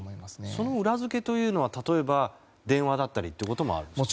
その裏付けは、例えば電話だったりということもあるんですね。